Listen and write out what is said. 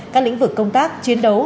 các lĩnh vực công tác chiến đấu